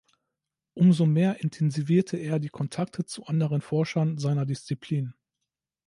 Umso mehr intensivierte er die Kontakte zu anderen Forschern seiner Disziplin.